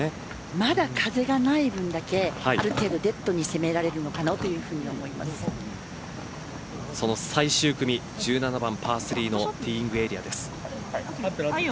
まだ風がない分だけある程度デッドにその最終組１７番パー３のティーイングエリアです。